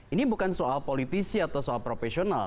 ini bukan soal politisi atau soal profesional